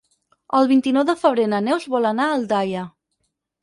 El vint-i-nou de febrer na Neus vol anar a Aldaia.